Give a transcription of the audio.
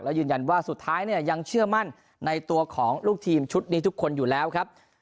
และยืนยันว่าสุดท้ายเนี่ยยังเชื่อมั่นในตัวของลูกทีมชุดนี้ทุกคนอยู่แล้วครับ